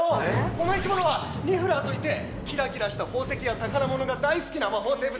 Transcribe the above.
この生き物はニフラーといってキラキラした宝石や宝物が大好きな魔法生物なんですよ。